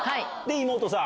妹さん？